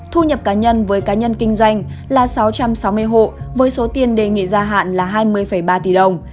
thu nhập cá nhân với cá nhân kinh doanh là sáu trăm sáu mươi hộ với số tiền đề nghị gia hạn là hai mươi ba tỷ đồng